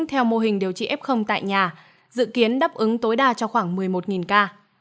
theo mô hình điều trị f tại nhà dự kiến đáp ứng tối đa cho khoảng một mươi một ca